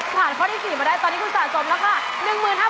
ข้อที่๔มาได้ตอนนี้คุณสะสมแล้วค่ะ